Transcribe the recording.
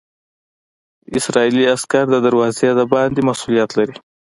اسرائیلي عسکر د دروازې د باندې مسوولیت لري.